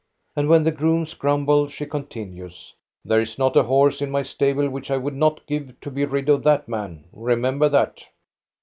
" And when the grooms grumble, she continues: " There is not a horse in my stable which I would not give to be rid of that man, remember that